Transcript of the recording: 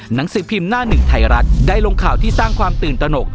หนังสือพิมพ์หน้าหนึ่งไทยรัฐได้ลงข่าวที่สร้างความตื่นตนก